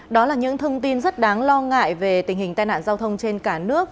đó là những thông tin rất đáng lo ngại về tình hình tai nạn giao thông trên cả nước